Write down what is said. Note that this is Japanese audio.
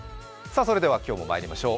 それでは今日もまいりましょう。